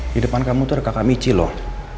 di depan kamu tuh ada kakak michi loh